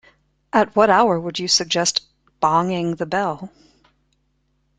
At what hour would you suggest bonging the bell?